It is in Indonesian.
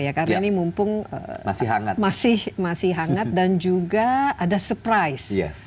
karena ini mumpung masih hangat dan juga ada surprise